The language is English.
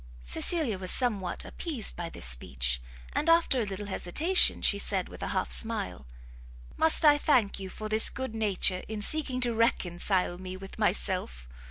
Cecilia was somewhat appeased by this speech; and, after a little hesitation, she said, with a half smile, "Must I thank you for this good nature in seeking to reconcile me with myself?